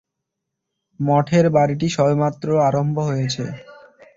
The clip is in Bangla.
মঠের বাড়ীটি সবেমাত্র আরম্ভ হয়েছে।